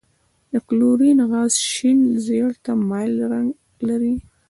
د کلورین غاز شین زیړ ته مایل رنګ لري.